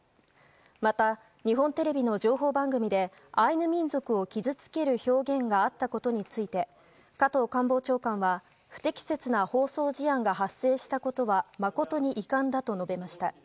また、日本テレビの情報番組でアイヌ民族を傷つける表現があったことについて加藤官房長官は不適切な放送事案が発生したことは誠に遺憾だと述べました。